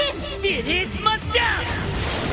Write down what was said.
ビリースマッシャー！